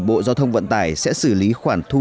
bộ giao thông vận tải sẽ xử lý khoản thu